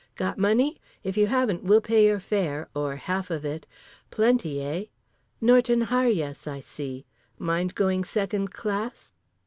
Got money? If you haven't we'll pay your fare. Or half of it. Plenty, eh? Norton Harjes, I see. Mind going second class?